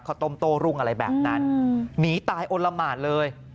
ต้มโต้รุ่งอะไรแบบนั้นหนีตายโอละหมาดเลย